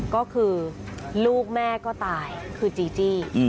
ก็คือลูกแม่ก็ตายคือจีจี้